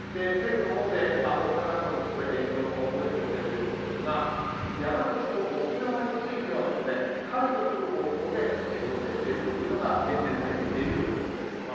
政府のほうで大阪なども含めて延長の方向で調整ということですが山口と沖縄については解除する方向で調整しているというのが現時点で入ってきている情報です。